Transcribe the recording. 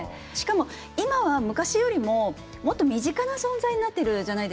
しかも今は昔よりももっと身近な存在になってるじゃないですか。